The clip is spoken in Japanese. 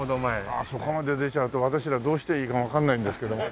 ああそこまで出ちゃうと私らどうしていいかわからないんですけども。